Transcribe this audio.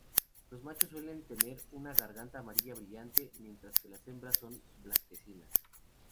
Los machos suelen tener una garganta amarilla brillante, mientras que las hembras son blanquecinas.